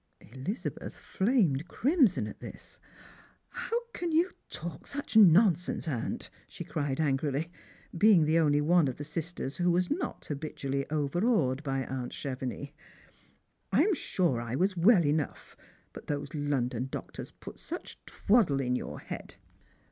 Elizabeth flamed crimson at this. " How can j'ou talk such nonsense, aunt?" she cried angrily, being the only one of the sisters who was not habitually over awed by aunt Chevenix. "I am sure I was well enough; but those London doctors put such twaddle into your head."